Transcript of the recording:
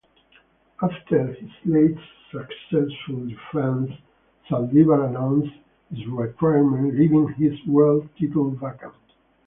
After his latest successful defence, Saldivar announced his retirement leaving his world title vacant.